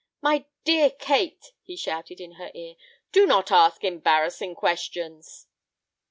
"My dear Kate," he shouted in her ear, "do not ask embarrassing questions."